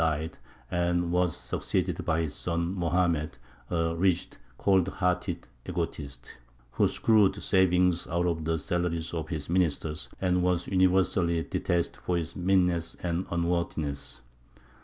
died, and was succeeded by his son Mohammed, a rigid, cold hearted egotist, who screwed savings out of the salaries of his ministers, and was universally detested for his meanness and unworthiness.